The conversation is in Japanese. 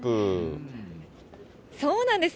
そうなんです。